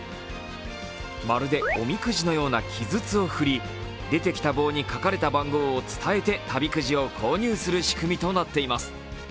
まるで、おみくじのような木筒を振り、出てきた棒に書かれた番号を伝えて旅くじを購入する仕組みとなっています。